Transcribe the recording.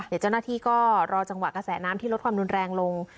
เดี๋ยวเจ้าหน้าที่ก็รอจังหวะกระแสน้ำที่ลดความรุนแรงลง